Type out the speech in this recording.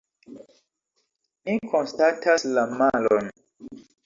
Mi konstatas la malon.